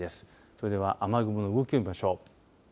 それでは雨雲の動きを見ましょう。